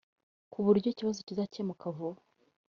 ku buryo ikibazo kizakemuka vuba